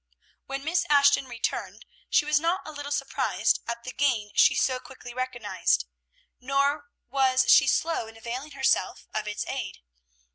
When Miss Ashton returned, she was not a little surprised at the gain she so quickly recognized, nor was she slow in availing herself of its aid.